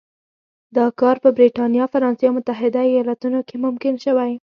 دا کار په برېټانیا، فرانسې او متحده ایالتونو کې ممکن شوی.